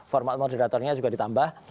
format moderatornya juga ditambah